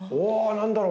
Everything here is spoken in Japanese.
何だろう？